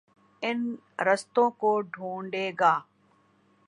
ان رستوں کو ڈھونڈے گا۔